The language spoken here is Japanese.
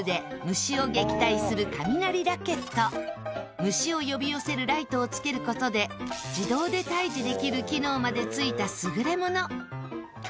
虫を呼び寄せるライトをつける事で自動で退治できる機能まで付いた優れもの。